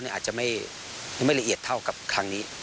อาจจะไม่ละเอียดเท่ากับครั้งนี้